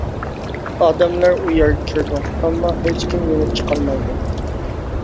ئادەملەر ئۇ يەرگە كىرىدۇ، ئەمما ھېچ كىم يېنىپ چىقالمايدۇ.